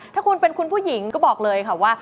ถ้าคุณเป็นคุณผู้หญิงก็บอกเลยค่ะว่า